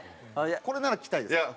これなら着たいですか？